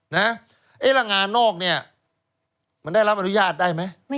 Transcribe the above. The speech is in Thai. และงานนอกนี่มันได้รับอนุญาตได้มั้ย